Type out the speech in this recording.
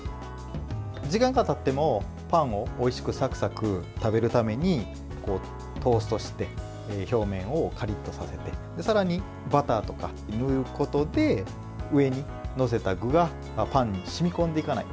時間がたってもパンをおいしくサクサク食べるためにトーストして表面をカリッとさせてさらにバターとかを塗ることで上に載せた具がパンに染み込んでいかない。